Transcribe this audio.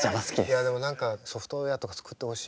いやでも何かソフトウエアとか作ってほしい。